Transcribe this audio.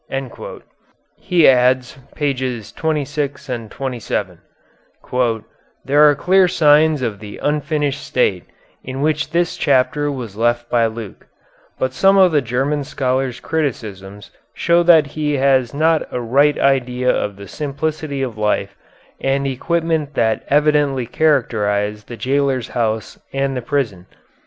He adds (pp. 26 and 27): "There are clear signs of the unfinished state in which this chapter was left by Luke; but some of the German scholar's criticisms show that he has not a right idea of the simplicity of life and equipment that evidently characterized the jailer's house and the prison.